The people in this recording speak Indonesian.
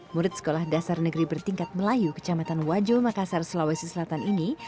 murid sekolah dasar negeri bertingkat melayu kecamatan wajo makassar sulawesi selatan ini